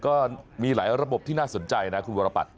ก็มีหลายระบบที่น่าสนใจนะคุณวรปัต